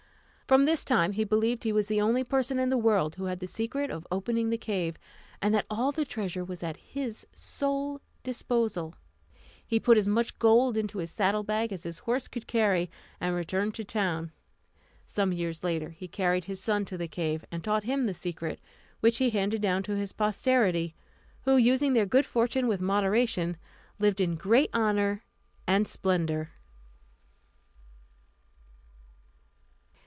From this time he believed he was the only person in the world who had the secret of opening the cave, and that all the treasure was at his sole disposal. He put as much gold into his saddle bag as his horse would carry, and returned to town. Some years later he carried his son to the cave and taught him the secret, which he handed down to his posterity, who, using their good fortune with moderation, lived in great honour and splendour.